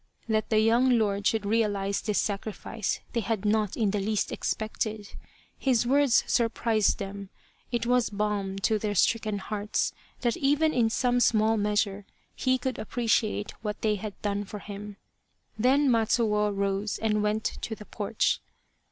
That the young lord should realize this sacrifice they had not in the least expected. His words surprised them. It was balm to their stricken hearts, that even in some small measure he could appreciate what they had done for him. Then Matsuo rose and went to the porch.